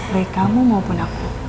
baik kamu maupun aku